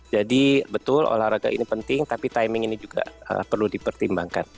jadi betul olahraga ini penting tapi timing ini juga perlu dipertimbangkan